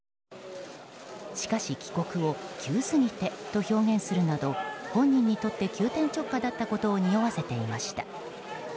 しかし、帰国を急すぎてと表現するなど本人にとって急転直下だったことをにおわせていました。